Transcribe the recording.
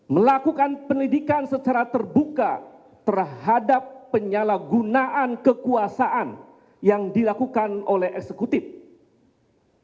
melakukan pendidikan secara terbuka terhadap penyalahgunaan kekuasaan yang dilakukan oleh eksekutif